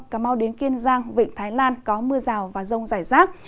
cà mau đến kiên giang vịnh thái lan có mưa rào và rông rải rác